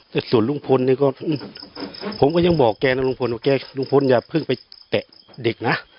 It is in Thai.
แต่ส่วนลุงพลนี่ก็ผมก็ยังบอกแกนะลุงพลว่าแกลุงพลอย่าเพิ่งไปแตะเด็กนะ